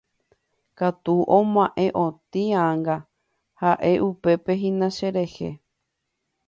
katu oma'ẽ otĩ anga ha'e upépe hína cherehe